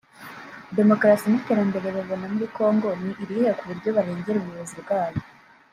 Demokarasi n’iterambere babona muri Congo ni irihe ku buryo barengera ubuyobozi bwayo